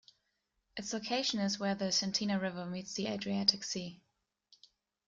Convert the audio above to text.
Its location is where the Cetina River meets the Adriatic Sea.